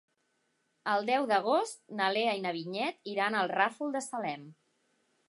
El deu d'agost na Lea i na Vinyet iran al Ràfol de Salem.